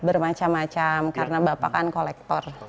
bermacam macam karena bapak kan kolektor